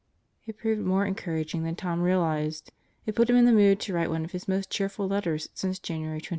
It proved more encouraging than Tom realized. It put him in the mood to write one of his most cheerful letters since January 21.